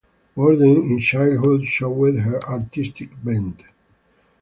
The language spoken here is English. Worden in childhood showed her artistic bent.